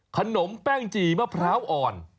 ขนมแป้งจี่มะพร้าวอ่อน